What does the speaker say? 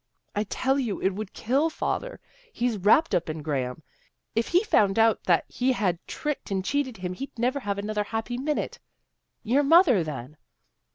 " I tell you it would kill father. He's wrapped up in Graham. If he found out that he had tricked and cheated him he'd never have another happy minute." ' Your mother, then."